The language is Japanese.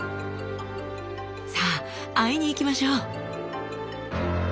さあ会いに行きましょう。